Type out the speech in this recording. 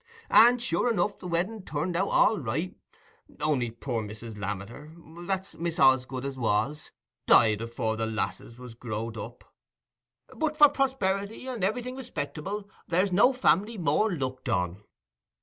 And sure enough the wedding turned out all right, on'y poor Mrs. Lammeter—that's Miss Osgood as was—died afore the lasses was growed up; but for prosperity and everything respectable, there's no family more looked on."